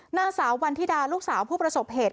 นางสาววันธิดาลูกสาวผู้ประสบเหตุ